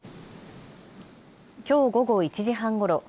きょう午後１時半ごろ